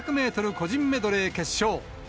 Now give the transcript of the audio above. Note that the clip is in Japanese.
個人メドレー決勝。